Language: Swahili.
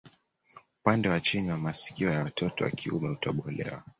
Upande wa chini wa masikio ya watoto wa kiume hutobolewa